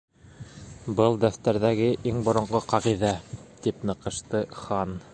—Был дәфтәрҙәге иң боронғо ҡағиҙә, —тип ныҡышты Хан.